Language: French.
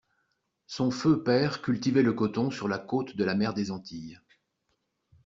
Son feu père cultivait le coton sur la côte de la mer des Antilles.